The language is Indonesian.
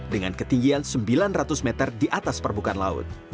dengan ketinggian sembilan ratus meter di atas permukaan laut